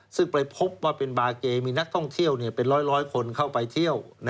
ซึ่งไปพบว่าเป็นบาร์เกมีนักท่องเที่ยวเป็นร้อยคนเข้าไปเที่ยว